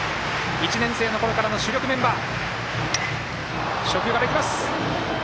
１年生のころからの主力メンバー。